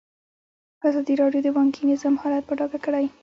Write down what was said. ازادي راډیو د بانکي نظام حالت په ډاګه کړی.